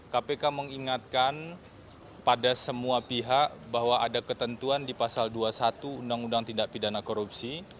kpk mengingatkan pada semua pihak bahwa ada ketentuan di pasal dua puluh satu undang undang tindak pidana korupsi